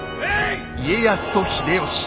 家康と秀吉。